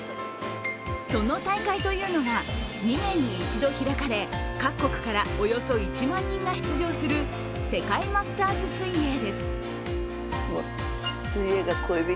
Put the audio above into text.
その大会というのが、２年に一度開かれ、各国からおよそ１万人が出場する世界マスターズ水泳です。